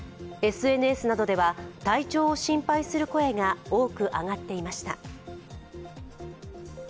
ＳＮＳなどでは、体調を心配する声が多く上がっていました。